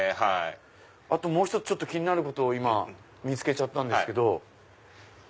あともう１つ気になることを今見つけちゃったんですけど。